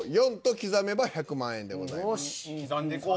刻んでいこう。